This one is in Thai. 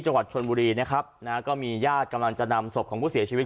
จังหวัดชนบุรีนะครับนะฮะก็มีญาติกำลังจะนำศพของผู้เสียชีวิต